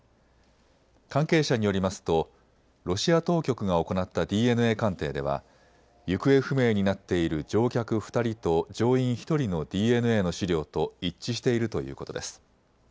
関係者によりますと、ロシア当局が行ったＤＮＡ鑑定では、行方不明になっている乗客２人と乗員１人のＤＮＡの資料と一致しているということです。